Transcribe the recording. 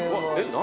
何？